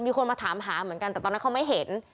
เพื่อเองอาหารหาเหมือนกันแต่ตอนนั้นเขาไม่เห็น